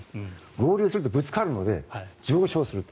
合流するとぶつかるので上昇すると。